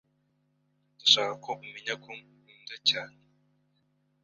Ndashaka ko umenya ko nkunda cyane.